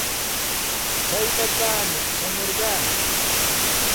Tsayllapaami shamurqaa.